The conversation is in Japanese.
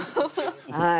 はい。